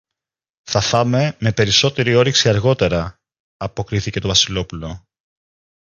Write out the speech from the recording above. Θα φάμε με περισσότερη όρεξη αργότερα, αποκρίθηκε το Βασιλόπουλο.